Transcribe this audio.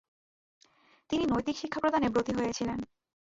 তিনি নৈতিক শিক্ষা প্রদানে ব্রতী হয়েছিলেন।